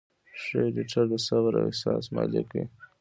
ښه ایډیټر د صبر او احساس مالک وي.